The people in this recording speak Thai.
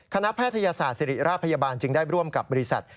แพทยศาสตร์ศิริราชพยาบาลจึงได้ร่วมกับบริษัท